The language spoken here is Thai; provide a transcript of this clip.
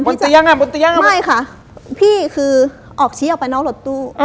บนตะยั่งอ่ะบนตะยั่งอ่ะไม่ค่ะพี่คือออกชี้ออกไปนอกรถตู้